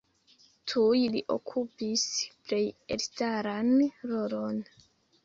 Tuj li okupis plej elstaran rolon.